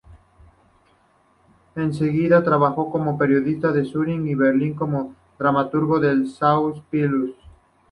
Enseguida trabajó como periodista en Zúrich y Berlín y como dramaturgo del Schauspielhaus.